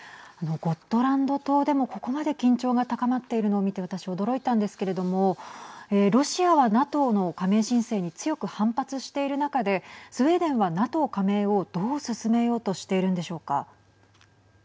ゴットランド島でもここまで緊張が高まっているのを見て私、驚いたんですけれどもロシアはＮＡＴＯの加盟申請に強く反発している中でスウェーデンは、ＮＡＴＯ加盟をどう進めようとはい。